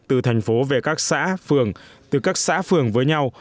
từ thành phố về các xã phường từ các xã phường với nhau